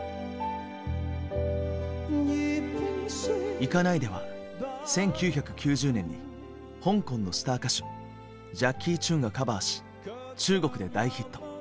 「行かないで」は１９９０年に香港のスター歌手ジャッキー・チュンがカバーし中国で大ヒット。